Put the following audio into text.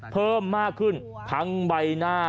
เพิ่มมากขึ้นทั้งใบหน้า